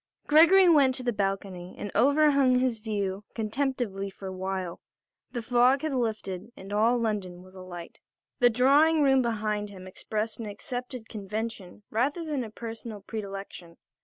Gregory went to the balcony and overhung his view contemplatively for a while. The fog had lifted, and all London was alight. The drawing room behind him expressed an accepted convention rather than a personal predilection.